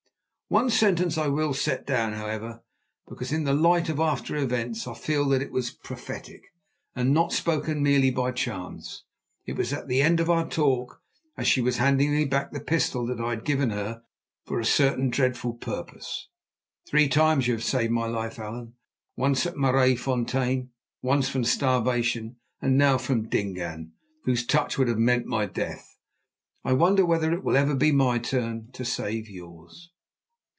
One sentence I will set down, however, because in the light of after events I feel that it was prophetic, and not spoken merely by chance. It was at the end of our talk, as she was handing me back the pistol that I had given her for a certain dreadful purpose. "Three times you have saved my life, Allan—once at Maraisfontein, once from starvation, and now from Dingaan, whose touch would have meant my death. I wonder whether it will ever be my turn to save yours?"